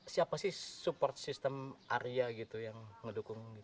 siapa sih support system arya gitu yang ngedukung gitu